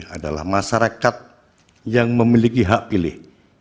adalah masyarakat yang memiliki hak pilih